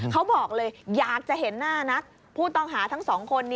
เขาบอกเลยอยากจะเห็นหน้านักผู้ต้องหาทั้งสองคน